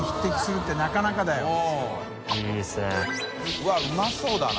うわっうまそうだな。